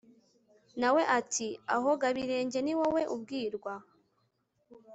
na we ati «aho gabirenge ni wowe ubwirwa»